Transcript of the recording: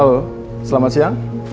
halo selamat siang